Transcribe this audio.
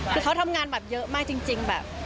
คือเขาทำงานแบบเยอะมากจริงแบบ